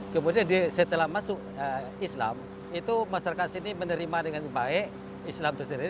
kemudian setelah masuk islam itu masyarakat sini menerima dengan baik islam itu sendiri